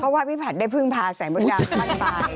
เพราะว่าพี่ผัตรได้พึ่งพาแสนบนกำลับมาไป